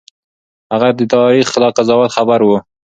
هغه د تاريخ له قضاوت خبر و.